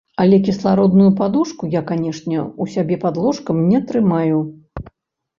Але кіслародную падушку я, канешне, у сябе пад ложкам не трымаю.